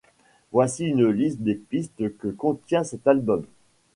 Voici une liste des pistes que contient cet album.